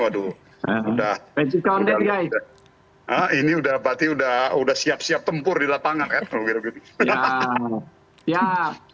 waduh ini berarti sudah siap siap tempur di lapangan